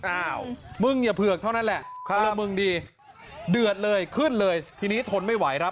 อ้าวมึงอย่าเผือกเท่านั้นแหละพลเมืองดีเดือดเลยขึ้นเลยทีนี้ทนไม่ไหวครับ